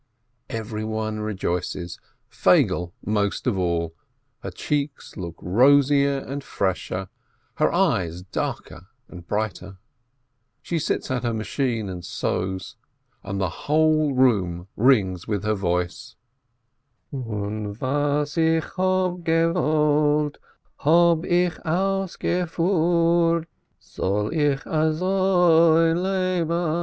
Everyone rejoices, Feigele most of all, her cheeks look rosier and fresher, her eyes darker and brighter. She sits at her machine and sews, and the whole room rings with her voice : "Un was ich hob' gewollt, hob' ich ausgefiihrt, Soil ich azoi leben!